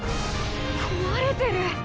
壊れてる！